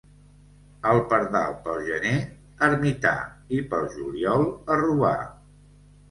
El pardal pel gener, ermità, i pel juliol, a robar.